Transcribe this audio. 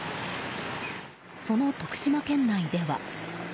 その徳島県内では。